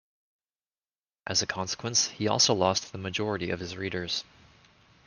As a consequence he also lost the majority of his readers.